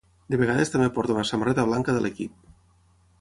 De vegades també porta una samarreta blanca de l'equip.